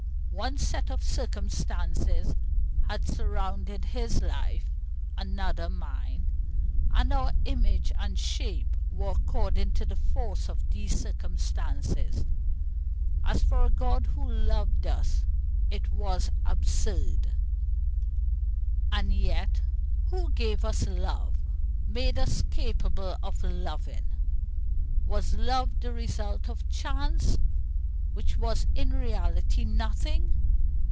One set of circumstances had surrounded his life, another mine, and our image and shape were according to the force of these circumstances. As for a God who loved us, it was absurd. And yet who gave us love made us capable of loving? Was love the result of chance, which was in reality nothing?